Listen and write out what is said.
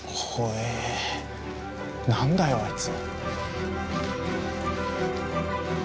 なんだよ、あいつ。